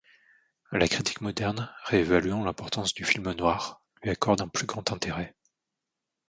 La critique moderne, réévaluant l'importance du film noir, lui accorde un plus grand intérêt.